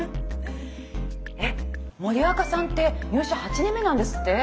えっ森若さんって入社８年目なんですって？